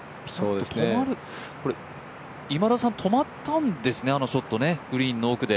止まる、止まったんですね、あのショット、グリーンの奥で。